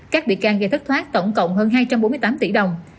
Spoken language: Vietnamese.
các bị can gây thất thoát tổng cộng hơn hai trăm bốn mươi tám tỷ đồng